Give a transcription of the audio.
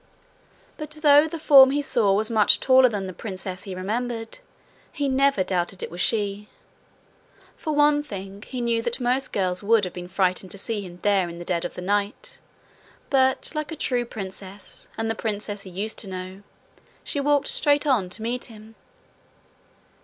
But though the form he saw was much taller than the princess he remembered, he never doubted it was she. For one thing, he knew that most girls would have been frightened to see him there in the dead of the night, but like a true princess, and the princess he used to know, she walked straight on to meet him.